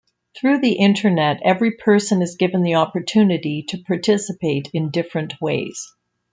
Through the Internet, every person is given the opportunity to participate in different ways.